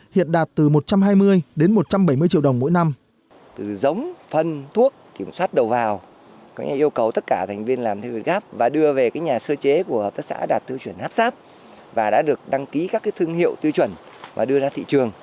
hiện đạt từ một trăm hai mươi đến một trăm bảy mươi triệu đồng mỗi năm